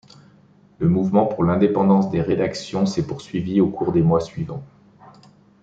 Le mouvement pour l'indépendance des rédactions s'est poursuivi au cours des mois suivants.